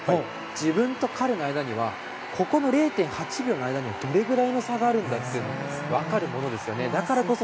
自分と彼の間にはここの０．８秒の間にはどれぐらいの差があるんだって分かるものですね。